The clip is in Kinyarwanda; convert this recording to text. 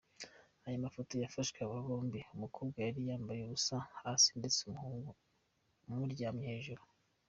Aya mafoto yafashwe aba bombi, umukobwa yari yambaye ubusa hasi ndetse umuhungu amuryamye hejuru.